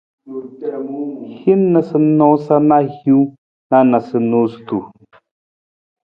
Hin noosanoosa na hiwung na noosunonosutu.